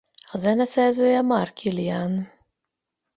A zeneszerzője Mark Kilian.